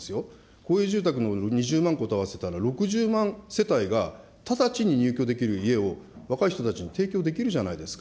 公営住宅の２０万戸と合わせたら６０万世帯が直ちに入居できる家を若い人たちに提供できるじゃないですか。